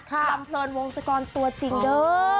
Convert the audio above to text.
กลับเพลินวงศักรณ์ตัวจริงเด้อ